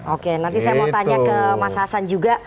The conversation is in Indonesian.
oke nanti saya mau tanya ke mas hasan juga